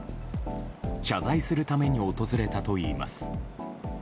謝罪するために訪れたといいます。